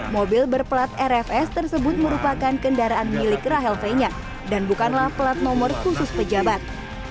mobil berplat rfs tersebut merupakan kendaraan milik rahel fenya dan bukanlah plat nomor khusus pejabat